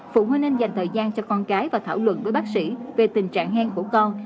phụ huynh nên dành thời gian cho con cái và thảo luận với bác sĩ về tình trạng hen của con